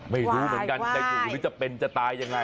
ไม่รู้เหมือนกันจะอยู่หรือจะเป็นจะตายยังไง